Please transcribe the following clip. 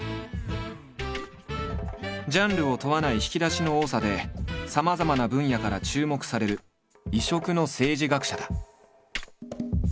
ジャンルを問わない引き出しの多さでさまざまな分野から注目される異色の政治学者だ。